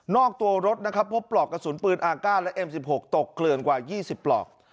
อกตัวรถนะครับพบปลอกกระสุนปืนอาก้าและเอ็ม๑๖ตกเกลื่อนกว่า๒๐ปลอก